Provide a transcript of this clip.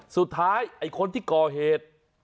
สุดท้ายไอ้คนที่ก่อเหตุ